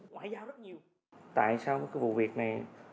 tại sao cái vụ việc này